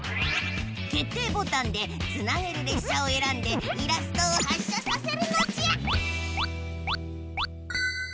けっていボタンでつなげるれっしゃをえらんでイラストを発車させるのじゃ！